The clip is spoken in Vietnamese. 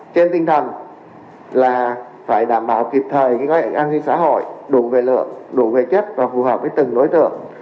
trên tinh thần là phải đảm bảo kịp thời cái gói hệ an sinh xã hội đủ về lượng đủ về chất và phù hợp với từng đối tượng